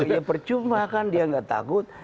ya percuma kan dia nggak takut